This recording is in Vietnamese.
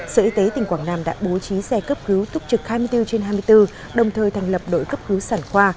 sở y tế tỉnh quảng nam đã bố trí xe cấp cứu túc trực hai mươi bốn trên hai mươi bốn đồng thời thành lập đội cấp cứu sản khoa